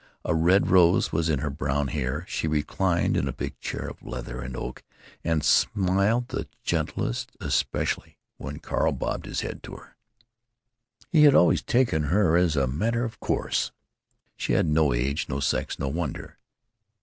A red rose was in her brown hair. She reclined in a big chair of leather and oak and smiled her gentlest, especially when Carl bobbed his head to her. He had always taken her as a matter of course; she had no age, no sex, no wonder.